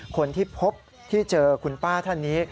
คนที่พบที่เจอคุณป้าท่านนี้